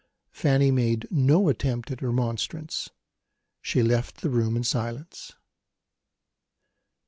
Fanny made no attempt at remonstrance; she left the room in silence.